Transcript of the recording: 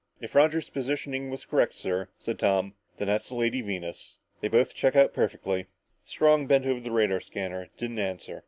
"If Roger's positioning was correct, sir," said Tom, "then that's the Lady Venus. They both check out perfectly!" Strong, bent over the radar scanner, didn't answer.